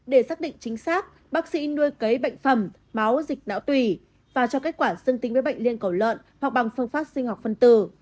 để xác định chính xác bác sĩ nuôi cấy bệnh phẩm máu dịch não tùy và cho kết quả dương tính với bệnh liên cầu lợn hoặc bằng phương pháp sinh học phân tử